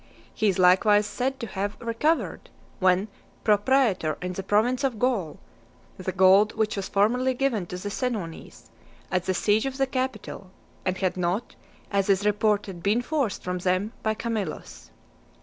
He is likewise said to have recovered, when pro praetor in the province of Gaul, the gold which was formerly given to the Senones, at the siege of the Capitol, and had not, as is reported, been forced from them by Camillus.